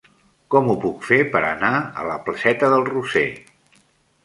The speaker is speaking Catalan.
Com ho puc fer per anar a la placeta del Roser?